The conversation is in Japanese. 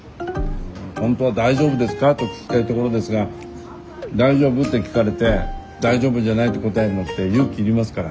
本当は「大丈夫ですか？」と聞きたいところですが「大丈夫？」って聞かれて「大丈夫じゃない」って答えるのって勇気いりますから。